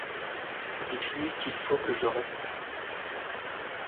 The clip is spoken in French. Dites-lui qu'il faut que je reste.